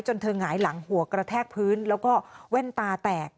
เธอหงายหลังหัวกระแทกพื้นแล้วก็แว่นตาแตก